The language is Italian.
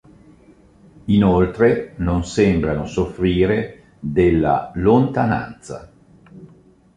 Inoltre non sembrano soffrire della "Lontananza".